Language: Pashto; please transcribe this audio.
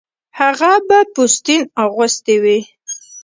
هغه به پوستین اغوستې وې